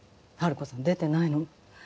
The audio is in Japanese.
治子さん出てないの。